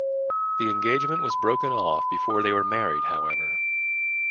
The engagement was broken off before they married however.